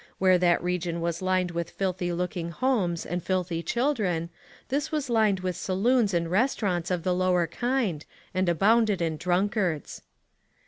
Where that region was lined with filthy looking homes and filthy children, this was lined with saloons and restaurants of the lower kind, and abounded in drunkards.